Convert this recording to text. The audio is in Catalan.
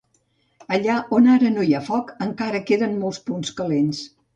Allà on ara no hi ha foc, encara queden molts punts calents.